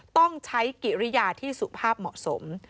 ต้องใช้กิริยาที่สุภาพเหมาะสม